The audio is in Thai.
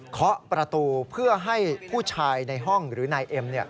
เคาะประตูเพื่อให้ผู้ชายในห้องหรือนายเอ็ม